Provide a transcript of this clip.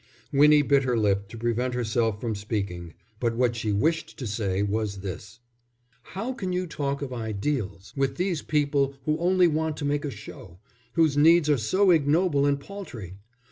Winnie bit her lip to prevent herself from speaking, but what she wished to say was this: "How can you talk of ideals with these people who only want to make a show, whose needs are so ignoble and paltry?